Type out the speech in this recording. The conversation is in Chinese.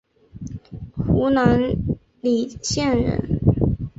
湖南澧县人。